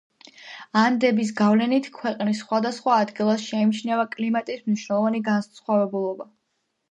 ანდების გავლენით, ქვეყნის სხვადასხვა ადგილას შეიმჩნევა კლიმატის მნიშვნელოვანი განსხვავებულობა.